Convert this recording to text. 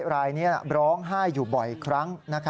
ร้องไห้อยู่บ่อยครั้ง